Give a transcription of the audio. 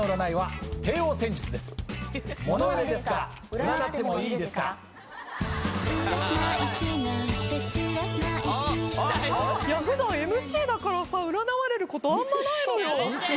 普段ＭＣだからさ占われることあんまないのよ。